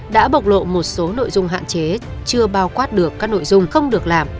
đã bộc lộ một số nội dung hạn chế chưa bao quát được các nội dung không được làm